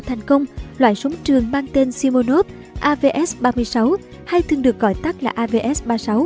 thành công loại súng trường mang tên simonov avs ba mươi sáu hay thường được gọi tắt là avs ba mươi sáu